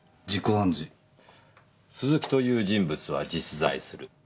鈴木という人物は実在する。